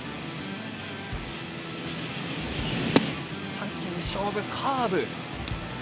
３球目勝負カーブ。